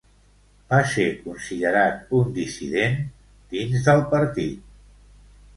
Va ser considerat un dissident dins del partit.